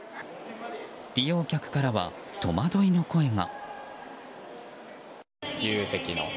利用客からは戸惑いの声が。